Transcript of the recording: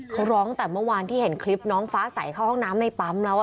เขาร้องแต่เมื่อวานที่เห็นคลิปน้องฟ้าใสเข้าห้องน้ำในปั๊มแล้ว